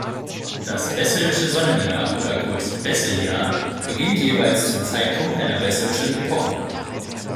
Das Besselsche Sonnenjahr oder kurz „Bessel-Jahr“ beginnt jeweils zum Zeitpunkt einer Besselschen Epoche.